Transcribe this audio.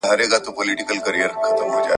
په هر ښار کي به تاوده وي لنګرونه !.